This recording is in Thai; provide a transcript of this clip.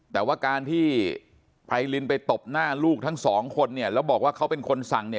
แต่ว่าการที่ไพรินไปตบหน้าลูกทั้งสองคนเนี่ยแล้วบอกว่าเขาเป็นคนสั่งเนี่ย